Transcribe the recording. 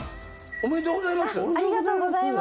ありがとうございます。